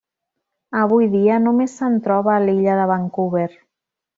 Avui dia només se'n troba a l'Illa de Vancouver.